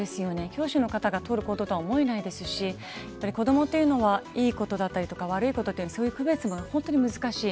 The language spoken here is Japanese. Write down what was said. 教師の方が取る行動とは思えないですし子どもというのはいいことだったり悪いことそういう区別が本当に難しい。